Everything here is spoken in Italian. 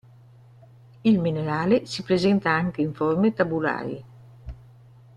Il minerale si presenta anche in forme tabulari.